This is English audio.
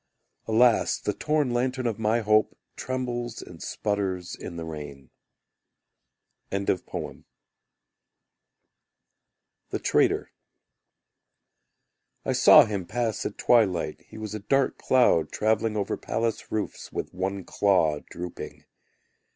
Alas, the torn lantern of my hope Trembles and sputters in the rain. The Traitor I saw him pass at twilight; He was a dark cloud travelling Over palace roofs With one claw drooping.